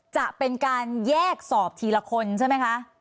จะเป็นการแยกสอบทีละคนใช่ไหมคะ